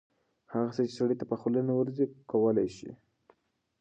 هغه څه چې سړي ته په خوله نه ورځي کولی شي